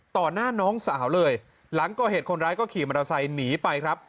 ต่อหน้าน้องสาวเลยหลังก็เห็นคนร้ายก็ขี่มาตาไซค์หนีไปครับ